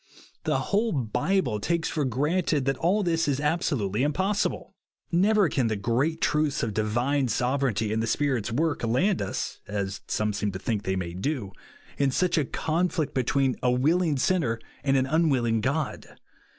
The whole Bible takes for gi'anted that all this is absolutely impos sible. Never can the great truths of divine sovereignty and the Spirit's work land us, as some seem to think they may do, in such a conflict between a willing sinner and an unwilling God.